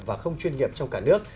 và không chuyên nghiệp trong cả nước